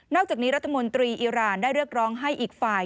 อกจากนี้รัฐมนตรีอิราณได้เรียกร้องให้อีกฝ่าย